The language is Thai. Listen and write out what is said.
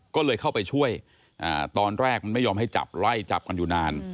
ก็เลยเข้าไปช่วยตอนแรกมันไม่ยอมให้จับไล่จับกันอยู่นาน